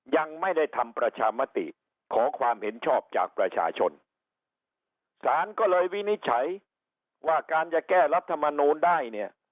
ยังไม่ได้ทำประชามติขอความเห็นชอบจากประชาชนศาลก็เลยวินิจฉัยว่าการจะแก้รัฐมนูลได้เนี่ย